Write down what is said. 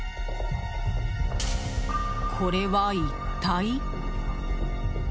これは一体。